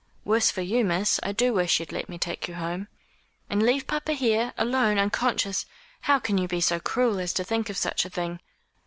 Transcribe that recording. "Worse for you, miss. I do wish you'd let me take you home." "And leave papa here alone unconscious! How can you be so cruel as to think of such a thing?"